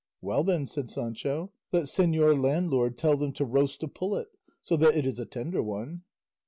"Well then," said Sancho, "let señor landlord tell them to roast a pullet, so that it is a tender one."